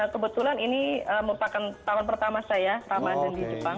kebetulan ini merupakan tahun pertama saya ramadan di jepang